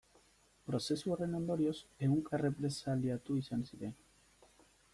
Prozesu horren ondorioz, ehunka errepresaliatu izan ziren.